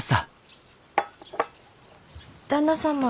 旦那様